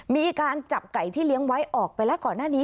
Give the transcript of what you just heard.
มีการจับไก่ที่เลี้ยงไว้ออกไปแล้วก่อนหน้านี้